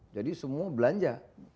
jadi semua belanja